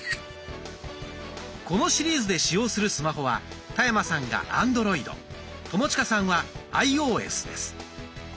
このシリーズで使用するスマホは田山さんがアンドロイド友近さんはアイオーエスです。